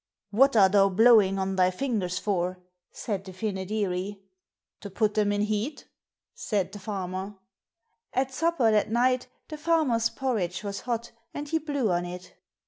'What are thou blowing on thee fingers for?' said the Fynoderee. 'To put them in heat,' said the Farmer. At supper that night the Farmer's porridge was hot and he blew on it.